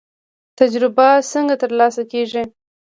تجربه څنګه ترلاسه کیږي؟